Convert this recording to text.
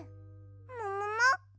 ももも？